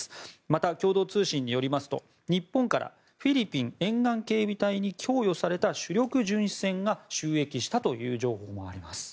また、共同通信によりますと日本からフィリピン沿岸警備隊に供与された主力巡視船が就役したという情報もあります。